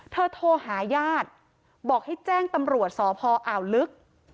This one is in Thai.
โทรหาญาติบอกให้แจ้งตำรวจสพอ่าวลึก